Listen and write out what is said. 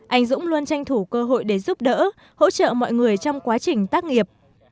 anh dũng luôn tranh thủ cơ hội để giúp đỡ hỗ trợ mọi người trong quá trình tác nghiệp